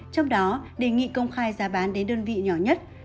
trong đó đề nghị công khai giá bán đến đơn vị nhỏ nhất